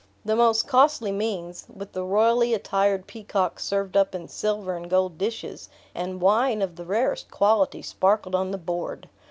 The most costly means, with the royally attired peacock served up in silver and gold dishes, and wine of the rarest quality, sparkled on the board.